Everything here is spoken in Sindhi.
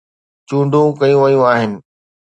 چونڊون ڪيون ويون آهن